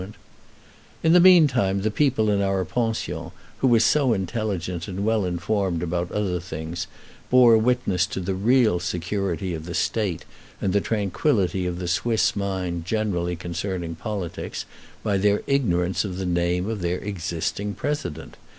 [Illustration: Castle of Aigle] In the mean time the people in our pension, who were so intelligent and well informed about other things, bore witness to the real security of the State, and the tranquillity of the Swiss mind generally concerning politics, by their ignorance of the name of their existing President.